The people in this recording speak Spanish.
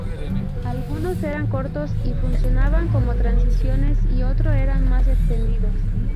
Algunos eran cortos y funcionaban como transiciones y otros eran más extendidos.